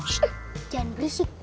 shh jangan berisik